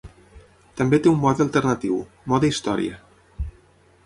També té un mode alternatiu, "mode història".